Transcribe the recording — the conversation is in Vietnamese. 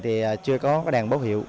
thì chưa có đèn báo hiệu